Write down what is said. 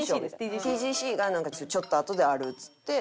ＴＧＣがちょっとあとであるっつって。